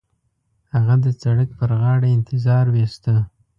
هغه د سړک پر غاړه انتظار وېسته.